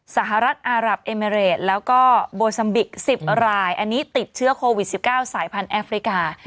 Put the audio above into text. สหรัฐอารับเอเมริดแล้วก็โบซัมบิก๑๐รายอันนี้ติดเชื้อโควิด๑๙สายพันธุแอฟริกา